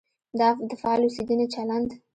د فعال اوسېدنې چلند.